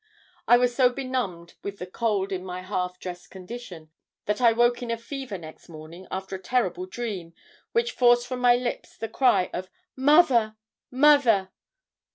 I was so benumbed with the cold in my half dressed condition, that I woke in a fever next morning after a terrible dream which forced from my lips the cry of 'Mother! Mother!